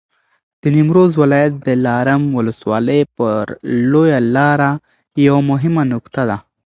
د نیمروز ولایت دلارام ولسوالي پر لویه لاره یوه مهمه نقطه ده.